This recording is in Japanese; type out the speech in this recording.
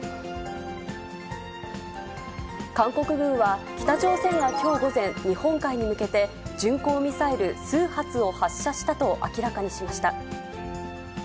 韓国軍は、北朝鮮がきょう午前、日本海に向けて、巡航ミサイル数発を発射したと明らかにしました。